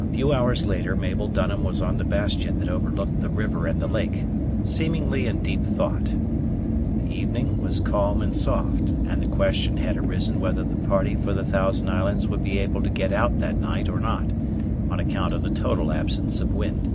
A few hours later Mabel Dunham was on the bastion that overlooked the river and the lake, seemingly in deep thought. The evening was calm and soft, and the question had arisen whether the party for the Thousand Islands would be able to get out that night or not, on account of the total absence of wind.